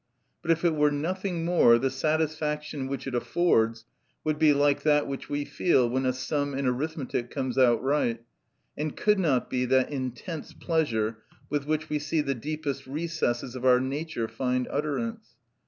But if it were nothing more, the satisfaction which it affords would be like that which we feel when a sum in arithmetic comes out right, and could not be that intense pleasure with which we see the deepest recesses of our nature find utterance.